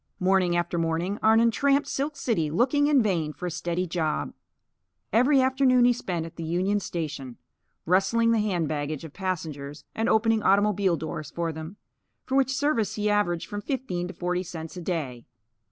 Morning after morning, Arnon tramped Silk City, looking in vain for a steady job. Every afternoon he spent at the Union Station, rustling the hand baggage of passengers and opening automobile doors for them; for which service he averaged from fifteen to forty cents a day.